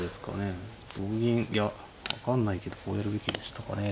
同銀いや分かんないけどこうやるべきでしたかね。